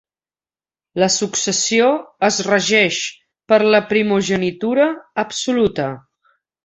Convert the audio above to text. La successió és regeix per la primogenitura absoluta.